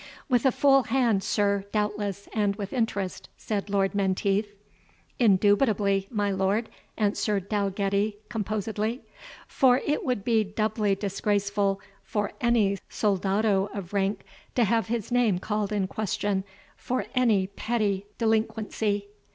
"With a full hand, sir, doubtless, and with interest," said Lord Menteith. "Indubitably, my lord," answered Dalgetty, composedly; "for it would be doubly disgraceful for any soldado of rank to have his name called in question for any petty delinquency."